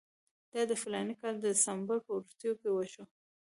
دا د فلاني کال د ډسمبر په وروستیو کې وشو.